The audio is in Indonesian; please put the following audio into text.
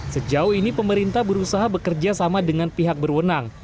sejauh ini pemerintah berusaha bekerja sama dengan pihak berwenang